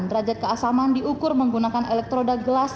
derajat keasaman diukur menggunakan elektroda gelas